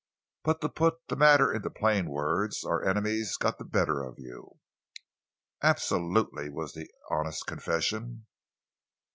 But to put the matter into plain words, our enemies got the better of you." "Absolutely," was the honest confession.